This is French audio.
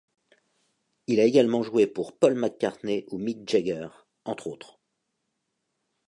Il a également joué pour Paul McCartney ou Mick Jagger, entre autres.